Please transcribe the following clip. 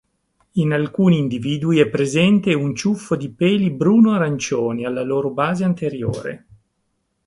In alcuni individui è presente un ciuffo di peli bruno-arancioni alla loro base anteriore.